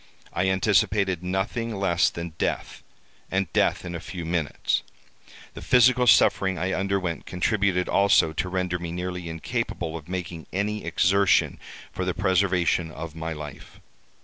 I anticipated nothing less than death, and death in a few minutes. The physical suffering I underwent contributed also to render me nearly incapable of making any exertion for the preservation of my life.